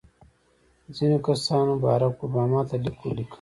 ځینو کسانو بارک اوباما ته لیک ولیکه.